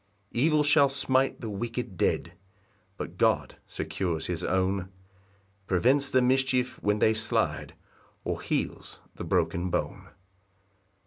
5 Evil shall smite the wicked dead; But God secures his own, Prevents the mischief when they slide, Or heals the broken bone.